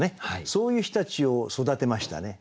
そういう人たちを育てましたね。